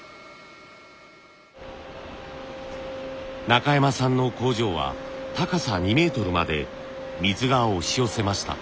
中山さんの工場は高さ２メートルまで水が押し寄せました。